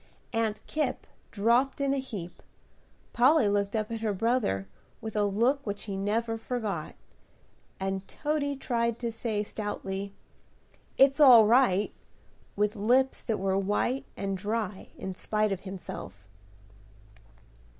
Aunt Kipp dropped in a heap, Polly looked up at her brother, with a look which he never forgot; and Toady tried to say, stoutly, "It's all right!" with lips that were white and dry in spite of himself.